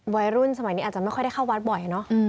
วัยรุ่นสมัยนี้อาจจะไม่ค่อยได้เข้าวัดบ่อยเนอะ